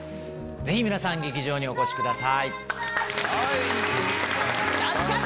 ぜひ皆さん劇場にお越しください。